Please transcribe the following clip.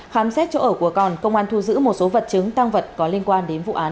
khám xét chỗ ở của còn công an thu giữ một số vật chứng tăng vật có liên quan đến vụ án